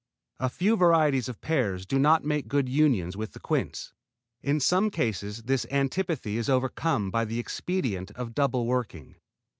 A few varieties of pears do not make good unions with the quince. In some cases this antipathy is overcome by the expedient of double working.